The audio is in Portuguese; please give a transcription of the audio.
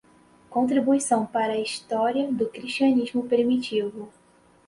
Contribuição Para a História do Cristianismo Primitivo